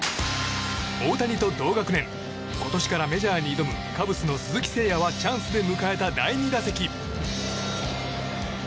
大谷と同学年今年からメジャーに挑むカブスの鈴木誠也はチャンスで迎えた第２打席。